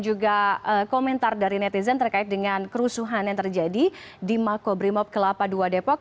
juga komentar dari netizen terkait dengan kerusuhan yang terjadi di makobrimob kelapa ii depok